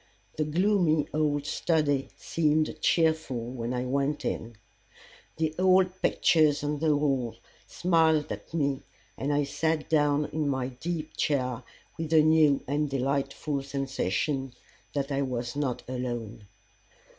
The gloomy old study seemed cheerful when I went in. The old pictures on the walls smiled at me, and I sat down in my deep chair with a new and delightful sensation that I was not alone.